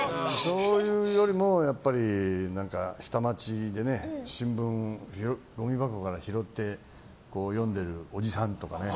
そういうよりも下町で新聞、ごみ箱から拾って読んでるおじさんとかね